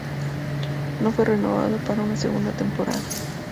No fue renovado para una segunda temporada.